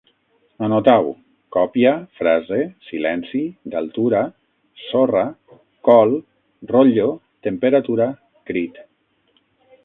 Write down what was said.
Anotau: còpia, frase, silenci, d’altura, sorra, col, rotllo, temperatura, crit